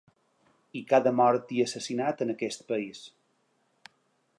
I cada mort i assassinat en aquest país.